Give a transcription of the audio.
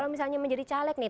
misalnya menjadi caleg nih